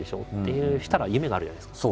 そしたら夢があるじゃないですか。